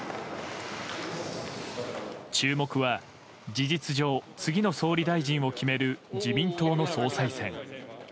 注目は、事実上、次の総理大臣を決める自民党の総裁選。